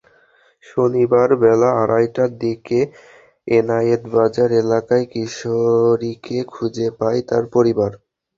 শনিবার বেলা আড়াইটার দিকে এনায়েতবাজার এলাকায় কিশোরীকে খুঁজে পায় তার পরিবার।